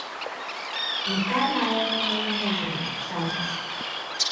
Микале ала-мом ойлынеже ыле, чарныш.